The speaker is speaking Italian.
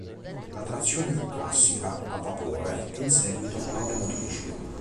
La trazione fu classica, a vapore, e in seguito con automotrici.